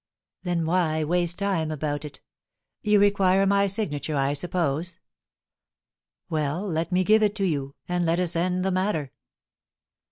"Then why waste time about it? You require my signature, I suppose? Well, let me give it to you, and let us end the matter."